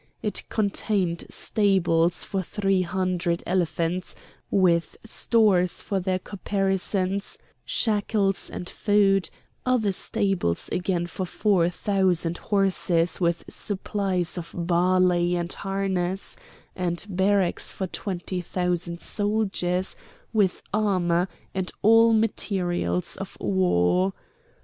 It contained stables for three hundred elephants with stores for their caparisons, shackles, and food; other stables again for four thousand horses with supplies of barley and harness, and barracks for twenty thousand soldiers with armour and all materials of war.